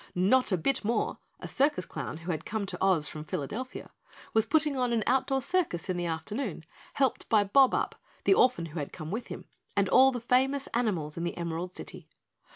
Notta Bit More, a circus clown who had come to Oz from Philadelphia, was putting on an outdoor circus in the afternoon, helped by Bob Up, the orphan who had come with him, and all the famous animals in the Emerald City.